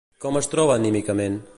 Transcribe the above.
Com es troba anímicament?